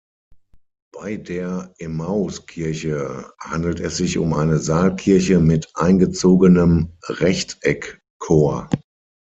Bei der Emmauskirche handelt es sich um eine Saalkirche mit eingezogenem Rechteckchor.